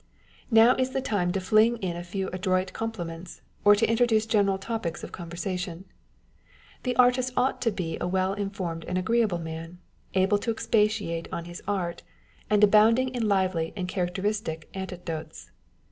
Now is the time to fling in a few adroit compliments, or to introduce general topics of conversation. The artist ought to be a well informed and agreeable man â€" able to expatiate on his art, and abounding in lively and characteristic anecdotes.